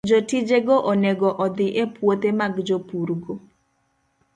Jotijego onego odhi e puothe mag jopurgo